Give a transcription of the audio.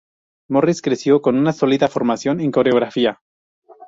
Morris creció con una sólida formación en coreografía.